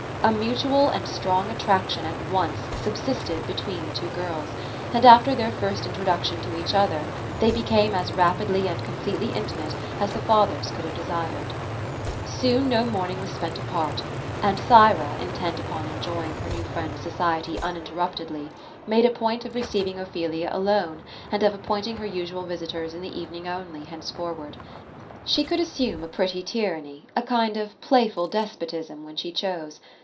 A mutual and strong attraction at once subsisted between THE aOSE OF ELSINORE. 233 the two girls ; and after their first introduction to each other, they be came as rapidly and completely intimate, as the fathers could have desired Soon, no morning was spent apart; and Thyra, intent upon enjoying her new friend's society uninterruptedly, made a point of receiving Ophelia alone, and of appointing her usual visitors in the evening only, henceforward. She could assume a pretty tyranny — a kind of playful despotism, when she chose.